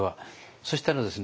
そしたらですね